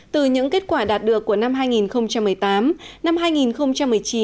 từ những kết quả đạt được của năm hai nghìn một mươi tám năm hai nghìn một mươi chín